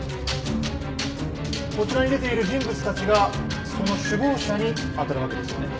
こちらに出ている人物たちがその首謀者に当たるわけですよね？